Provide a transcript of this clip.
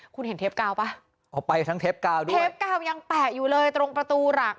คุณเห็นเทปกาวอ๋อไปทั้งเทปกาวยังแปะอยู่เลยตรงประตูหลัก